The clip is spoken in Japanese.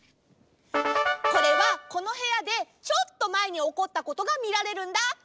これはこのへやでちょっとまえにおこったことがみられるんだ。